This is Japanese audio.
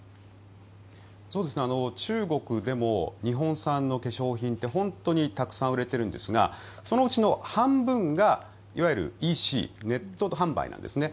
中国でも日本産の化粧品って本当にたくさん売れているんですがそのうちの半分がいわゆるＥＣネット販売なんですね。